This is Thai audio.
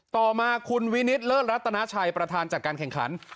ต่อมาคุณวินิตเลิศรัตนาชัยประธานจัดการแข่งขัน